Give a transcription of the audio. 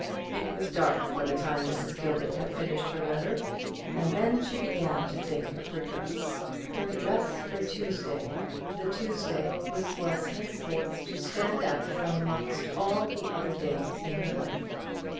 It was dark by the time Mrs. Gilbert had finished her letter, and then she began to think of her dress, her dress for Tuesday, the Tuesday which was henceforth to stand out from amongst all the other days in her life.